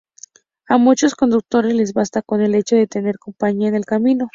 A muchos conductores les basta con el hecho de tener compañía en el camino.